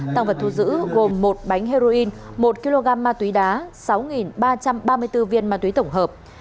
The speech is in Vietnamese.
tăng vật thu giữ gồm một bánh heroin một kg ma túy đá sáu ba trăm ba mươi bốn viên ma túy tổng hợp